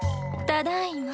ただいま？